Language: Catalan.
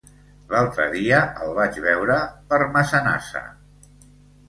L'altre dia el vaig veure per Massanassa.